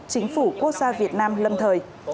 chính phủ quốc gia việt nam lâm thời